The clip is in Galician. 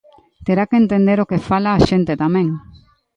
Terá que entender o que fala a xente tamén.